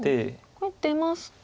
これ出ますと。